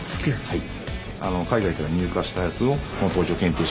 はい。